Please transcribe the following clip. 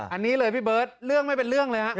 อันนี้เลยพี่เบิร์ตเรื่องไม่เป็นเรื่องเลยฮะ